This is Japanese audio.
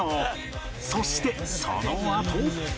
そしてそのあと